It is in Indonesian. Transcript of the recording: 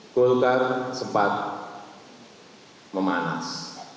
kulkara sempat memanas